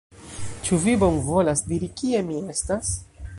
Ĉu vi bonvolas diri, kie mi estas?